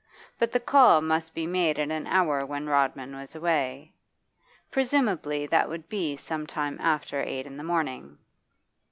But the call must be made at an hour when Rodman was away. Presumably that would be some time after eight in the morning.